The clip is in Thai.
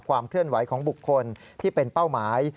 ความเคลื่อนไหวของบุคคลที่เป็นเป้าหมาย